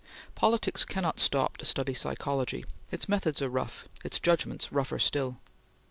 Politics cannot stop to study psychology. Its methods are rough; its judgments rougher still.